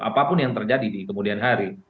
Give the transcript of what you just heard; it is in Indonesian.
apapun yang terjadi di kemudian hari